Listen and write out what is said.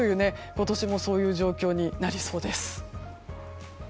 今年もそういう状況になりそうです。